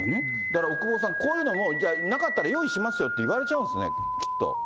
だから、奥窪さん、こういうのもじゃあ、なかったら用意しますよって言われちゃうんですよね、きっと。